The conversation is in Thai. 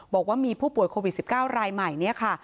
บอกว่ามีผู้ป่วยโควิด๑๙รายใหม่เนี่ยค่ะ